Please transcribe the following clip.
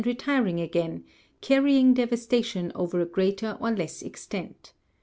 101 retiring again, carrying devastation over a greater or less extent.